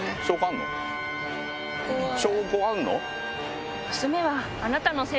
証拠あんの？